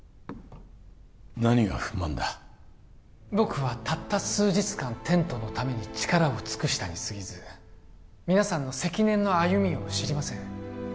何が不満だ僕はたった数日間テントのために力を尽くしたにすぎず皆さんの積年の歩みを知りません